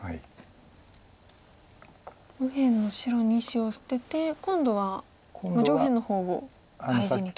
右辺の白２子を捨てて今度は上辺の方を大事にと。